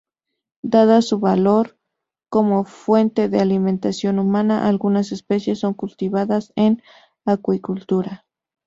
Dada su valor como fuente de alimentación humana algunas especies son cultivadas en acuicultura.